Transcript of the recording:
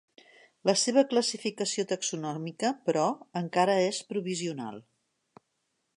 La seva classificació taxonòmica, però encara és provisional.